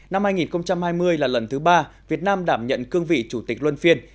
năm hai nghìn hai mươi là lần thứ ba việt nam đảm nhận cương vị chủ tịch luân phiên